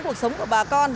cuộc sống của bà con